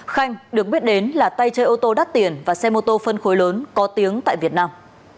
khanh được biết đến là tay chơi ô tô đắt tiền và xe mô tô phân khối lớn có tiếng tại việt nam